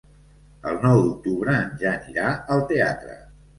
El nou d'octubre en Jan irà al teatre.